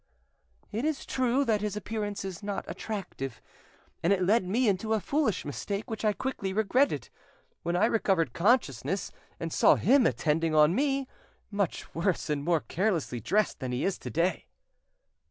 "It is true that his appearance is not attractive, and it led me into a foolish mistake which I quickly regretted. When I recovered consciousness, and saw him attending on me, much worse and more carelessly dressed than he is to day."